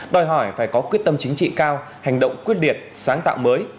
đòi hỏi phải có quyết tâm chính trị cao hành động quyết liệt sáng tạo mới